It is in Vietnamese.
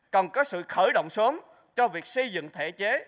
cần có sự khởi động sớm cho việc xây dựng thể chế